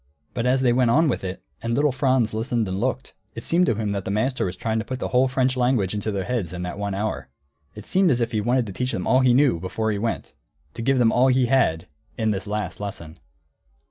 But as they went on with it, and little Franz listened and looked, it seemed to him that the master was trying to put the whole French language into their heads in that one hour. It seemed as if he wanted to teach them all he knew, before he went, to give them all he had, in this last lesson.